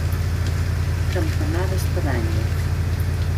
Campanar d'espadanya.